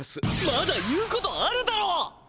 まだ言うことあるだろ！